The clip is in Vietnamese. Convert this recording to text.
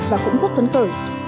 và cũng rất phấn phở